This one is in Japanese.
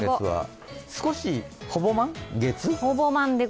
少し、ほぼ満月？